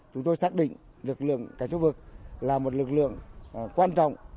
chúng tôi xác định lực lượng cảnh sát vực là một lực lượng quan trọng